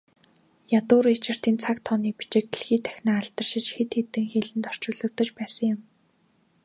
Ядуу Ричардын цаг тооны бичиг дэлхий дахинаа алдаршиж, хэд хэдэн хэлэнд орчуулагдаж байсан юм.